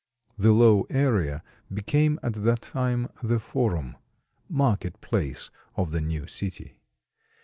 The low area became at that time the Forum, "marketplace" of the new city.